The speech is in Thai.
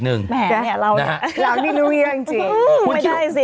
แหมเรานี่รู้เรื่องจริงไม่ได้สิ